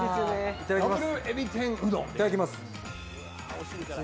いただきます。